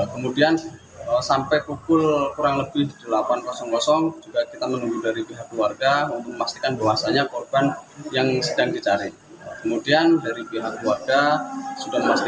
kemudian sama sama untuk membawa ke rumah sakit rsu palang biru putar jumat